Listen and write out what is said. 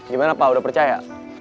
gimana pak udah percaya